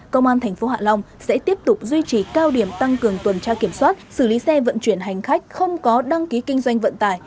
công an tp hạ long sẽ tiếp tục duy trì cao điểm tăng cường tuần tra kiểm soát xử lý xe vận chuyển hành khách không có đăng ký kinh doanh vận tải